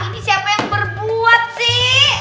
ini siapa yang berbuat sih